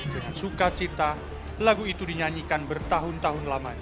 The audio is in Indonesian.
dengan suka cita lagu itu dinyanyikan bertahun tahun lamanya